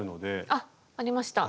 あっありました。